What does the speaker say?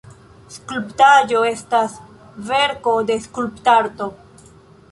Skulptaĵo estas verko de skulptarto.